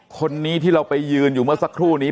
คนนี้ที่เราไปยืนอยู่เมื่อสักครู่นี้